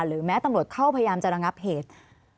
แม้ตำรวจเข้าพยายามจะระงับเหตุ